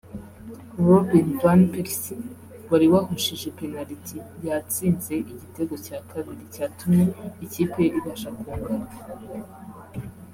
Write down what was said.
Robin Van Persi wari wahushije penaliti yatsinze igitego cya kabiri cyatumye ikipe ye ibasha kunganya